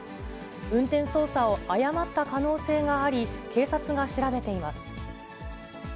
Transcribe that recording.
運転操作を誤った可能性があり、警察が調べています。